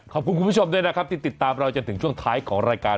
คุณผู้ชมด้วยนะครับที่ติดตามเราจนถึงช่วงท้ายของรายการ